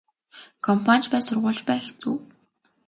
Компани ч бай сургууль ч бай хэцүү.